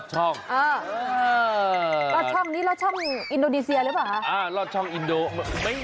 เหมือนกันนะร้อนมาก